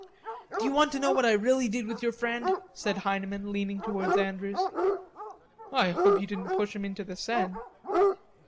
"D'you want to know what I really did with your friend?" said Heineman, leaning towards Andrews. "I hope you didn't push him into the Seine."